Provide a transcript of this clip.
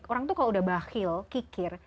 orang itu kalau udah bakhil kikir